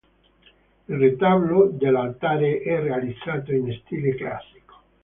Il retablo dell'altare è realizzato in stile classico.